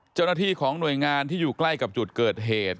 เจ้าหน้าที่ของหน่วยงานที่อยู่ใกล้กับจุดเกิดเหตุ